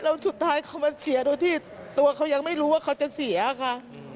แล้วสุดท้ายเขามาเสียโดยที่ตัวเขายังไม่รู้ว่าเขาจะเสียค่ะ